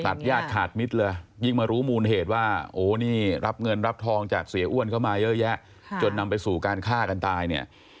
ญาติขาดมิตรเลยยิ่งมารู้มูลเหตุว่าโอ้นี่รับเงินรับทองจากเสียอ้วนเข้ามาเยอะแยะจนนำไปสู่การฆ่ากันตายเนี่ย